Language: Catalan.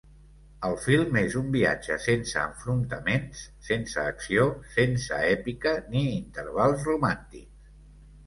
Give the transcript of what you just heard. El film és un viatge sense enfrontaments, sense acció, sense èpica ni intervals romàntics.